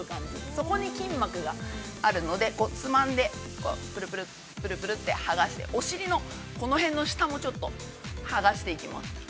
そこに筋膜が、あるので、つまんで、ぷるぷる、ぷるぷるって剥がして、お尻のこの辺の下も、ちょっと剥がしていきます。